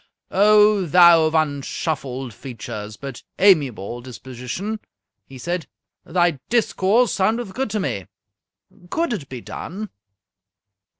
"O thou of unshuffled features but amiable disposition!" he said, "thy discourse soundeth good to me. Could it be done?"